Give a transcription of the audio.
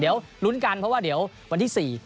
เดี๋ยวลุ้นกันเพราะว่าเดี๋ยววันที่๔